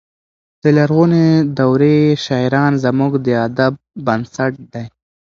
د لرغونې دورې شاعران زموږ د ادب بنسټ دی.